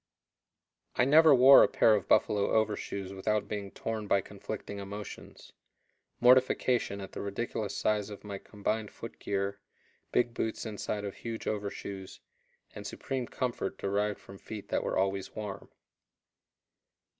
I never wore a pair of buffalo overshoes without being torn by conflicting emotions mortification at the ridiculous size of my combined foot gear, big boots inside of huge overshoes, and supreme comfort derived from feet that were always warm.